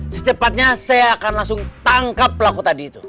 secepatnya saya akan langsung tangkap pelaku tadi itu